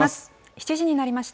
７時になりました。